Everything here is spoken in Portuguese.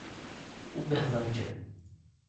Uberlândia